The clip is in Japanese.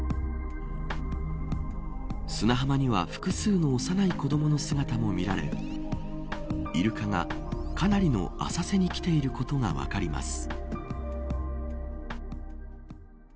砂浜には複数の幼い子どもの姿も見られイルカがかなりの浅瀬に来ていることが分かります。